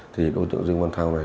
thì đối tượng dương quan thao này